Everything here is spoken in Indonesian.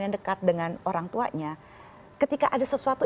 yang dekat dengan orang tuanya ketika ada sesuatu